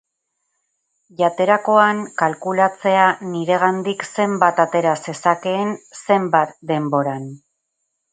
Jaterakoan kalkulatzea niregandik zenbat atera zezakeen zenbat denboran.